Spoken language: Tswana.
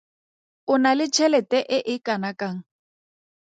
O na le tšhelete e e kanakang?